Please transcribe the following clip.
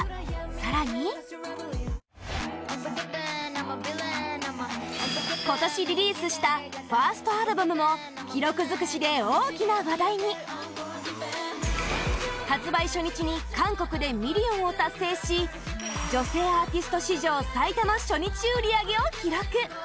更に今年リリースしたファーストアルバムも記録尽くしで大きな話題に発売初日に韓国でミリオンを達成し女性アーティスト史上最多の初日売り上げを記録